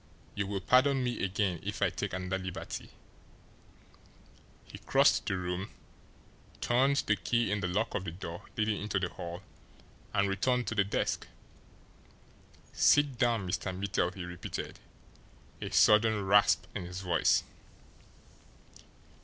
You will pardon me again if I take another liberty" he crossed the room, turned the key in the lock of the door leading into the hall, and returned to the desk. "Sit down, Mr. Mittel!" he repeated, a sudden rasp in his voice.